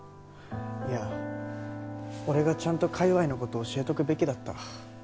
いや俺がちゃんと界隈のこと教えとくべきだった。